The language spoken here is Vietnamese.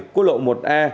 quốc lộ một a